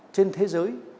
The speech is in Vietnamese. trên thế giới